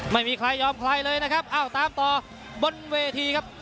ไม่มีใครยอมใครเลยนะครับเอ้าตามต่อบนเวทีครับ